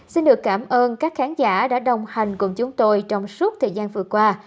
xin được cảm ơn các khán giả đã đồng hành cùng chúng tôi trong suốt thời gian vừa qua